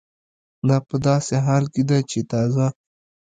دا په داسې حال کې ده چې تازه